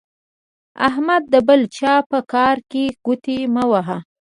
احمده د بل چا په کار کې ګوتې مه وهه.